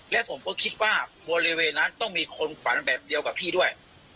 และผมก็คิดว่าบริเวณนั้นต้องมีคนฝันแบบเดียวกับพี่ด้วย